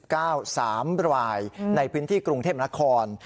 สามรายในพื้นที่กรุงเทพนคร